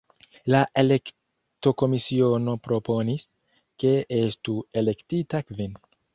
La elektokomisiono proponis, ke estu elektita kvin.